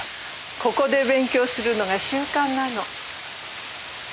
ここで勉強するのが習慣なの。